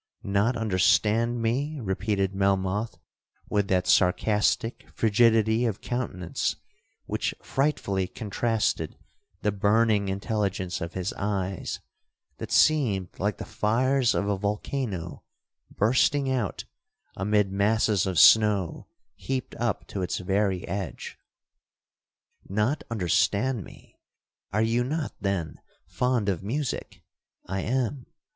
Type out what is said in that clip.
'Not understand me?' repeated Melmoth, with that sarcastic frigidity of countenance which frightfully contrasted the burning intelligence of his eyes, that seemed like the fires of a volcano bursting out amid masses of snow heaped up to its very edge; 'not understand me!—are you not, then, fond of music?'—'I am.'